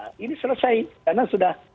ini selesai karena sudah